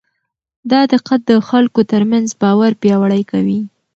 دا دقت د خلکو ترمنځ باور پیاوړی کوي.